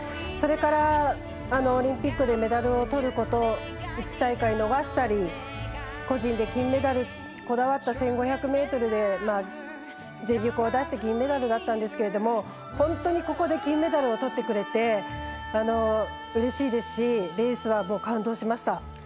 それからオリンピックでメダルをとることを１大会、逃したり個人で金メダルにこだわった１５００ｍで全力を出して銀メダルだったんですけども本当にここで金メダルをとってくれてうれしいですしレースは感動しました。